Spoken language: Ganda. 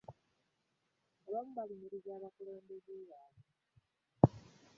Abamu balumiriza bakulembeze baabwe.